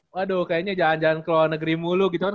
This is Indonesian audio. waduh kayaknya jangan jangan ke luar negeri mulu gitu kan